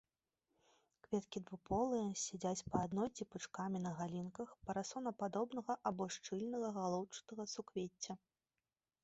Кветкі двухполыя, сядзяць па адной ці пучкамі на галінках парасонападобнага або шчыльнага галоўчатага суквецця.